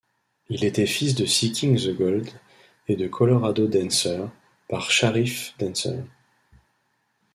Il était fils de Seeking the Gold et de Colorado Dancer, par Shareef Dancer.